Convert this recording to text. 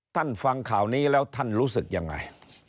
ฟังข่าวนี้แล้วท่านรู้สึกยังไง